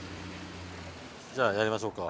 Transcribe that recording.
じゃあやりましょうか。